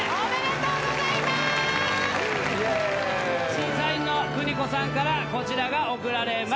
審査員の邦子さんからこちらが贈られます。